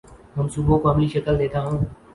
منصوبوں کو عملی شکل دیتا ہوں